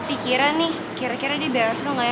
jadi marahnya ke saya melototin ke saya